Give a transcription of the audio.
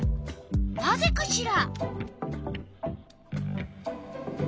なぜかしら？